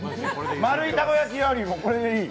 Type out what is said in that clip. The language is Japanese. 丸いたこ焼きよりもこれでいい。